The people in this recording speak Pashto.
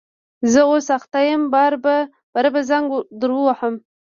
زه اوس اخته یم باره به زنګ در ووهم